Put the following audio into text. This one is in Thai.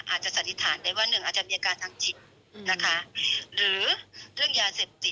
สันนิษฐานได้ว่าหนึ่งอาจจะมีอาการทางจิตนะคะหรือเรื่องยาเสพติด